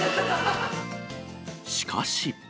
しかし。